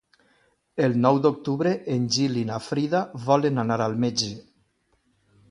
El nou d'octubre en Gil i na Frida volen anar al metge.